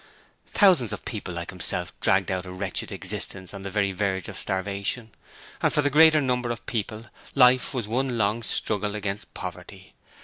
Thousands of people like himself dragged out a wretched existence on the very verge of starvation, and for the greater number of people life was one long struggle against poverty.